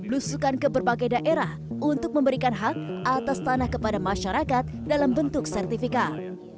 belusukan ke berbagai daerah untuk memberikan hak atas tanah kepada masyarakat dalam bentuk sertifikat